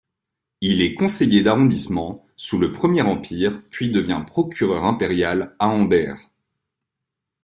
Il est conseiller d'arrondissement sous le Premier Empire puis devient procureur impérial à Ambert.